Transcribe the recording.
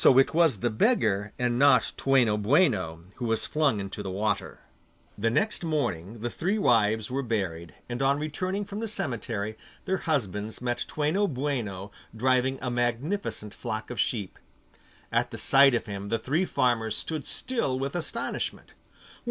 So it was the beggar and not Toueno Boueno who was flung into the water. The next morning the three wives were buried, and on returning from the cemetery, their husbands met Toueno Boueno driving a magnificent flock of sheep. At the sight of him the three farmers stood still with astonishment.